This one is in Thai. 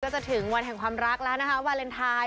จะถึงวันแห่งความรักแล้วนะคะวาเลนไทย